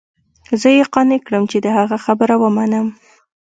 زه يې قانع كړم چې د هغه خبره ومنم.